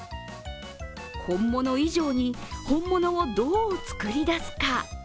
本物以上に本物をどう作り出すか。